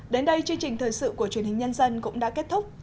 đến đây chương trình thời sự của truyền hình nhân dân cũng đã kết thúc